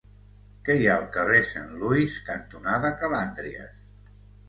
Què hi ha al carrer Saint Louis cantonada Calàndries?